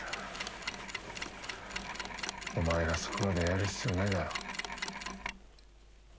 お前がそこまでやる必要ないだろ。